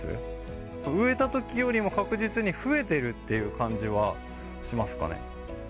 植えたときよりも確実に増えているっていう感じはしますかね？